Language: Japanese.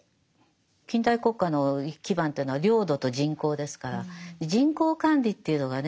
近代国家の基盤というのは領土と人口ですから人口管理っていうのがね